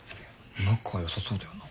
仲良さそうだよな。